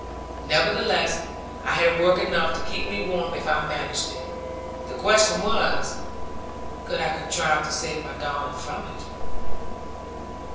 Nevertheless, I had work enough to keep me warm if I managed it. The question was, could I contrive to save my darling from it?